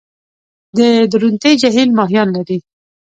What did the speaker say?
د درونټې جهیل ماهیان لري؟